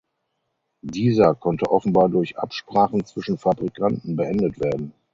Dieser konnte offenbar durch Absprachen zwischen Fabrikanten beendet werden.